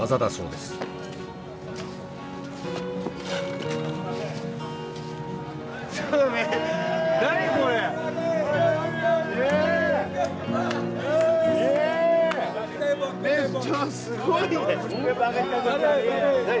すごいね。